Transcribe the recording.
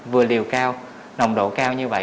vừa liều cao nồng độ cao như vậy